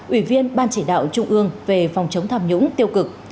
ủy viên ban chỉ đạo trung ương về phòng chống tham nhũng tiêu cực